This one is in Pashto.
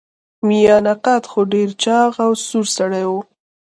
میانه قده خو ډیر چاغ سور سړی و.